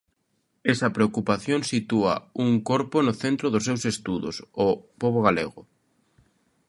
Esa preocupación sitúa un corpo no centro dos seus estudos: o pobo galego.